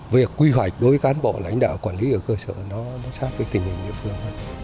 việc quy hoạch đối với cán bộ lãnh đạo quản lý ở cơ sở nó sát với tình hình địa phương